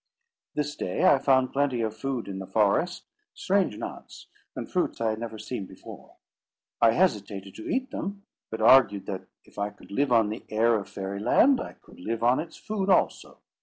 This day I found plenty of food in the forest—strange nuts and fruits I had never seen before. I hesitated to eat them; but argued that, if I could live on the air of Fairy Land, I could live on its food also.